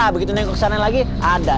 begitu nengok ke sana lagi ada